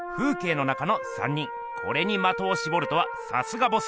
これにまとをしぼるとはさすがボス。